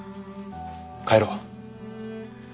帰ろう。